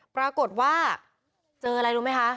ปรากฏว่าเจออะไรรู้ไหมคะ